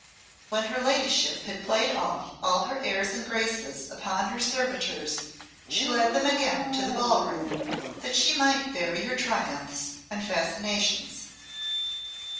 When her ladyship had played off all her airs and graces upon her servitors she led them again to the ball room that she might vary her triumphs and fascinations.